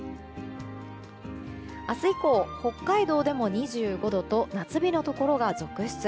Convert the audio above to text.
明日以降、北海道でも２５度と夏日のところが続出。